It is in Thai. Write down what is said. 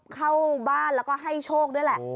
เข้าบ้านแล้วก็ให้โชคด้วยแหละ